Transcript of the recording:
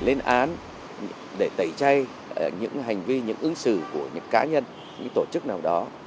lên án để tẩy chay những hành vi những ứng xử của những cá nhân những tổ chức nào đó